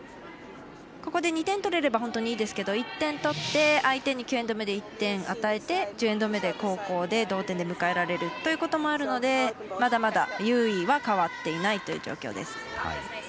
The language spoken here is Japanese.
ここで、２点を取れれば本当にいいですけど１点取って相手に９エンド目で１点与えて１０エンド目で同点で迎えられるということもあるのでまだまだ優位は変わっていないという状況です。